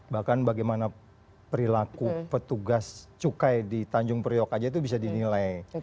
bahkan bagaimana perilaku petugas cukai di tanjung priok aja itu bisa dinilai